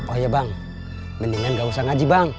oh iya bang mendingan gak usah ngaji bang